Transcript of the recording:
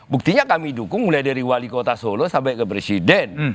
buktinya kami dukung mulai dari wali kota solo sampai ke presiden